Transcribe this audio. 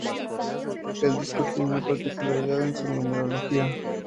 El disco tiene una particularidad en su numerología.